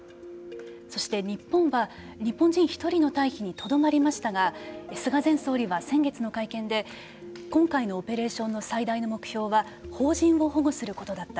そして日本は日本人１人の退避にとどまりましたが菅前総理は先月の会見で今回のオペレーションの最大の目標は邦人を保護することだった。